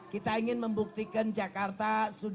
kita ingin membuktikan jakarta